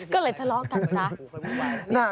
ก็เลยทะเลาะกันซะ